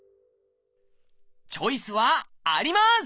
チョイスはあります！